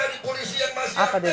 kau yang ada di tentara